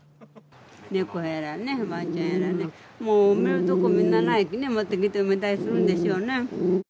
猫やらね、ワンちゃんやらね、もう埋める所、みんなないし、持ってきて埋めたりするんでしょうね。